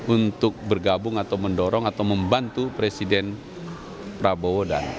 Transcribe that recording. untuk bergabung atau mendorong atau membantu presiden prabowo dan